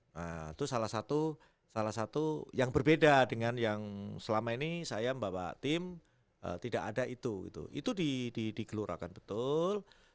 nah itu salah satu yang berbeda dengan yang selama ini saya membawa tim tidak ada itu itu digelurakan betul